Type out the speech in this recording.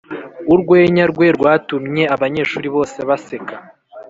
urwenya rwe rwatumye abanyeshuri bose baseka.